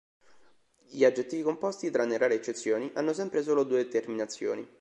Gli aggettivi composti, tranne rare eccezioni hanno sempre solo due terminazioni.